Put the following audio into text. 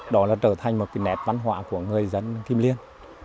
đó là trở thành một cái nét văn hóa của người dân kim liên